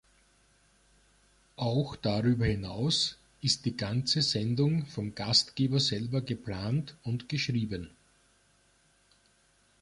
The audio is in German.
Auch darüber hinaus ist die ganze Sendung vom Gastgeber selber geplant und geschrieben.